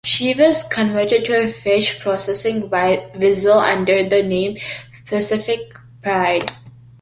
She was converted to a fish processing vessel under the name "Pacific Pride".